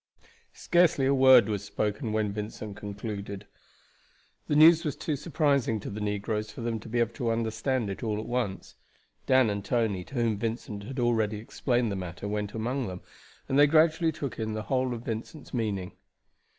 Scarcely a word was spoken when Vincent concluded. The news was too surprising to the negroes for them to be able to understand it all at once. Dan and Tony, to whom Vincent had already explained the matter, went among them, and they gradually took in the whole of Vincent's meaning.